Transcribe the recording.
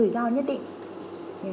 rủi ro nhất định